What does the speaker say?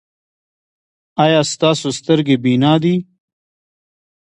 ایا ستاسو سترګې بینا دي؟